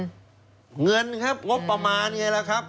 มันต้องมีงบประมาณไงล่ะครับ